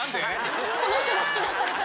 この人が好きだった歌。